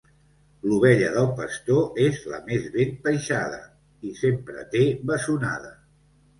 L'ovella del pastor és la més ben peixada i sempre té bessonada.